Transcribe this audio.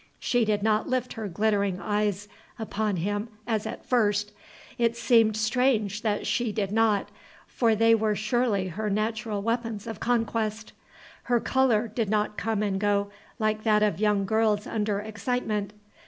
She did not lift her glittering eyes upon him as at first. It seemed strange that she did not, for they were surely her natural weapons of conquest. Her color did not come and go like that of young girls under excitement.